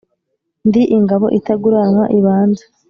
ndi ingabo itaguranwa ibanze,